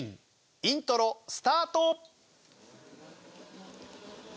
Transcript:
イントロスタート！